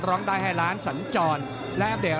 ร้องได้ให้ล้านสัญจรและอัปเดต